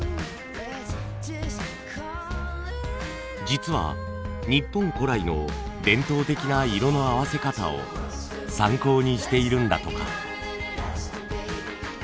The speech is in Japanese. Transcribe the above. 実は日本古来の伝統的な色の合わせ方を参考にしているんだとか。